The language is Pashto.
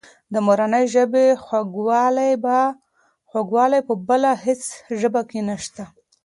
د مورنۍ ژبې خوږوالی په بله هېڅ ژبه کې نشته.